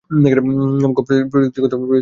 গ. প্রযুক্তিগত দক্ষতা বৃদ্ধি